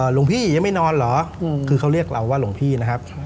หลวงพี่ยังไม่นอนเหรอคือเขาเรียกเราว่าหลวงพี่นะครับ